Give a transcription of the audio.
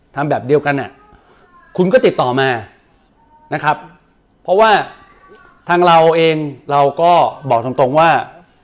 ทำแบบเดียวกันอ่ะคุณก็ติดต่อมานะครับเพราะว่าทางเราเองเราก็บอกตรงตรงว่า